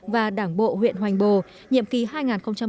và đảng bộ huyện hoành bồ nhiệm kỳ hai nghìn một mươi năm hai nghìn hai mươi